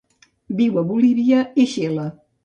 Viu a Bolívia i Xile.